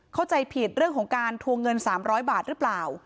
เข้าใจผิดเรื่องของการทวงเงิน๓๐๐บาทหรือเปล่า